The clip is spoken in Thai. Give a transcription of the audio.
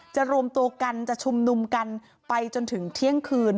รวมตัวกันจะชุมนุมกันไปจนถึงเที่ยงคืน